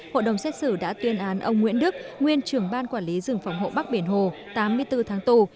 hội đồng xét xử đã tuyên án ông nguyễn đức nguyên trưởng ban quản lý rừng phòng hộ bắc biển hồ tám mươi bốn tháng tù